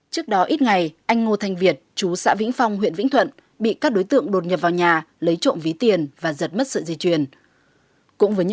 trước đó ít ngày anh ngô thanh việt chú xã vĩnh phong huyện vĩnh thuận bị các đối tượng đột nhập vào nhà lấy trộm ví tiền và giật mất sợi dây chuyền